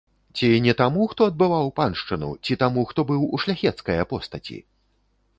Ці не таму, хто адбываў паншчыну, ці таму, хто быў у шляхецкае постаці?